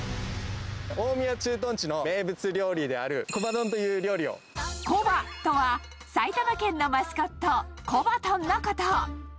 大宮駐屯地の名物料理である、コバとは、埼玉県のマスコット、コバトンのこと。